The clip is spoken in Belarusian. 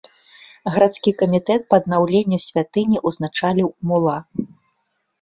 Гарадскі камітэт па аднаўленню святыні ўзначаліў мула.